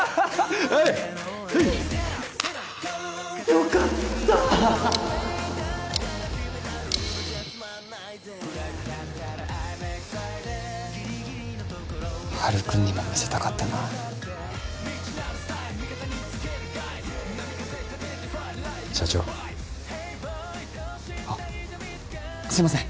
よかったハルくんにも見せたかったな社長あっすいません